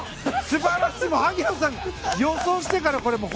素晴らしい、萩野さん予想してたね！